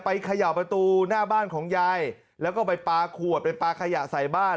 เขย่าประตูหน้าบ้านของยายแล้วก็ไปปลาขวดไปปลาขยะใส่บ้าน